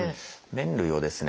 麺類をですね